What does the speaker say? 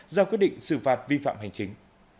ra quyết định xử phạt vi phạm hành chính